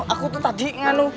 aku tuh tadi nganu